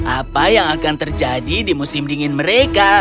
apa yang akan terjadi di musim dingin mereka